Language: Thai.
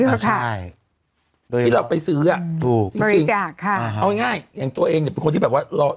ใช่โดยที่เราไปซื้ออ่ะถูกจริงจริงค่ะเอาง่ายอย่างตัวเองเนี่ยเป็นคนที่แบบว่ารอ